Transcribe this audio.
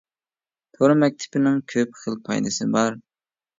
تور مەكتىپىنىڭ كۆپ خىل پايدىسى بار.